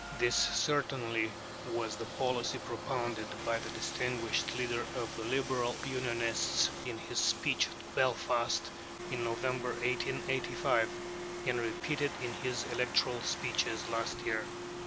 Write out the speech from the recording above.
This certainly was the policy propounded by the distinguished leader of the Liberal Unionists in his speech at Belfast, in November, 1885, and repeated in his electoral speeches last year.